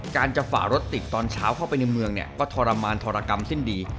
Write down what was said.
การจะฝ่ารถติดตอนเช้าเข้าไปในเมืองเนี่ยก็ทรมานทรกรรมสิ้นดี